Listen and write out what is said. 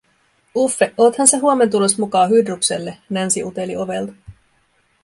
"Uffe, oothan sä huomen tulos mukaa Hydrukselle?", Nancy uteli ovelta.